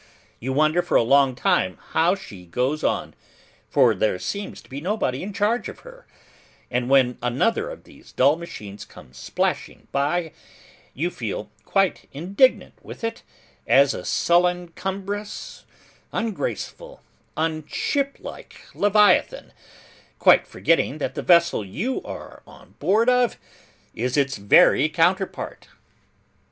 You wonder for a long time how she goes on, for there seems to be nobody in charge of her; and when another of these dull machines comes splashing by, you feel quite indignant with it, as a sullen cumbrous, ungraceful, unshiplike leviathan: quite forgetting that the vessel you are on board of, is its very counterpart.